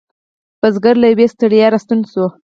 بزگر له یویې ستړی را ستون شو.